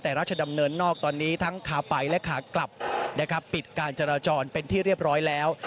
แต่ราชดำเนินนอกตอนนี้ทั้งขาไปและขากลับนะครับปิดการจราจรเป็นที่เรียบร้อยแล้ว